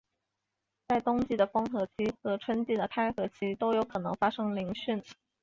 在冬季的封河期和春季的开河期都有可能发生凌汛。